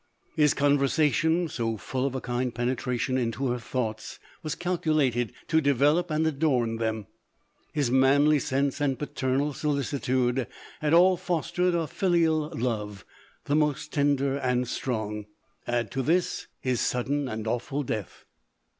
His conversation, so full of a kind penetration into her thoughts, was calculat ed to develop and adorn them ; his manly sense and paternal solicitude, had all fostered a filial love, the most tender and strong. Add to this, his sudden and awful death.